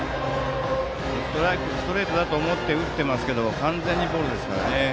ストレートだと思って打ってますけど完全にボールですからね。